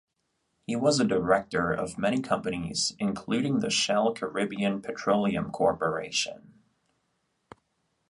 He was a director of many companies including the Shell Caribbean Petroleum Corporation.